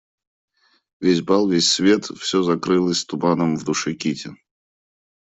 Весь бал, весь свет, всё закрылось туманом в душе Кити.